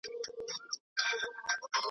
نه مو نسیم ته نڅېدلی ارغوان ولیدی .